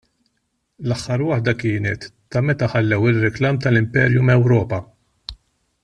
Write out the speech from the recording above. L-aħħar waħda kienet ta' meta ħallew ir-riklam tal-Imperium Ewropa.